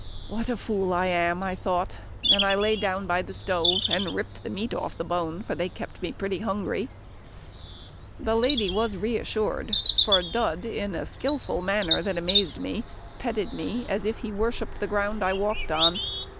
What a fool I am! I thought, and I lay down by the stove, and ripped the meat off the bone, for they kept me pretty hungry. The lady was reassured, for Dud in a skilful manner that amazed me, petted me as if he worshipped the ground I walked on.